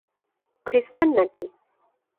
খ্রিষ্টান না কি?